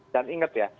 dan ingat ya